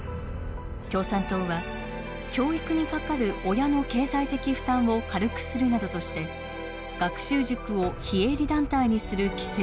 共産党は教育にかかる親の経済的負担を軽くするなどとして学習塾を非営利団体にする規制を導入。